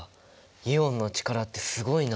イオンの力ってすごいな！